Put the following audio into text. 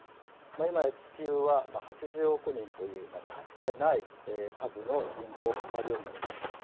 いまや地球は８０億人というかつてない数の人口を抱えるようになりました。